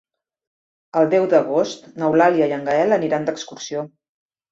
El deu d'agost n'Eulàlia i en Gaël aniran d'excursió.